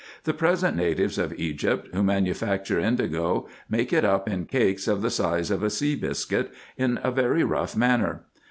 The present natives of Egypt, who manufacture indigo, make it up in cakes of the size of a sea biscuit, in a very rough manner.